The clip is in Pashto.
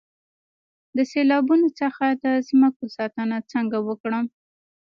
د سیلابونو څخه د ځمکو ساتنه څنګه وکړم؟